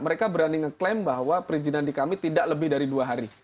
mereka berani ngeklaim bahwa perizinan di kami tidak lebih dari dua hari